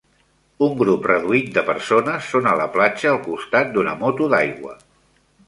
Un grup reduït de persones són a la platja al costat d'una moto d'aigua.